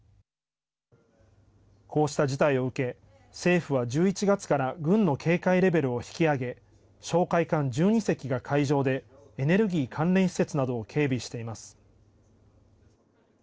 こうした事態を受け政府は１１月から軍の警戒レベルを引き上げ哨戒艦１２隻が海上でエネルギー関連施設などを警備しています。